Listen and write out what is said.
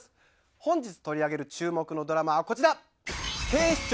本日取り上げる注目のドラマはこちら！